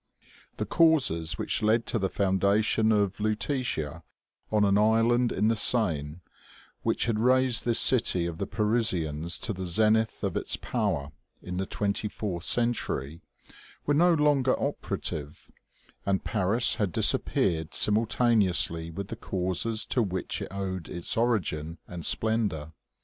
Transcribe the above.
The causes which led to the foundation of Lutetia on an island in the Seine, which had raised this city of the* Parisians to the zenith of its power in the twenty fourth century, were no longer operative, and Paris had disappeared simultaneously with the causes to which it owed its origin and splendor.